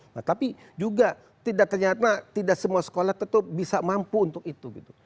nah tapi juga tidak ternyata tidak semua sekolah tetap bisa mampu untuk itu gitu